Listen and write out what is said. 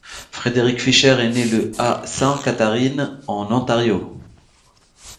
Frederick Fisher est né le à Saint Catharines en Ontario.